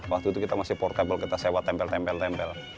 waktu itu kita masih portable kita sewa tempel tempel tempel